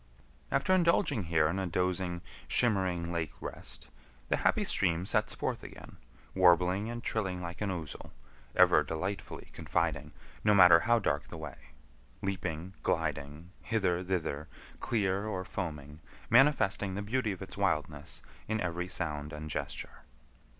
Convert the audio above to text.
After indulging here in a dozing, shimmering lake rest, the happy stream sets forth again, warbling and trilling like an ouzel, ever delightfully confiding, no matter how dark the way; leaping, gliding, hither, thither, clear or foaming: manifesting the beauty of its wildness in every sound and gesture.